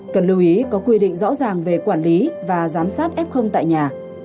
cần lưu ý có quy định rõ ràng về quản lý và giám sát f tại nhà